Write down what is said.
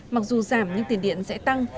mặc dù giảm nhưng tiền điện sẽ tăng